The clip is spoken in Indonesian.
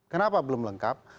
kenapa belum lengkap